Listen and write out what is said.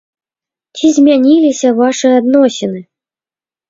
Ці змяніліся вашы адносіны?